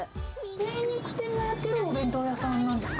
精肉店がやってるお弁当屋さんなんですか？